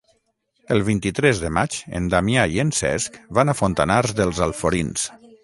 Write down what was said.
El vint-i-tres de maig en Damià i en Cesc van a Fontanars dels Alforins.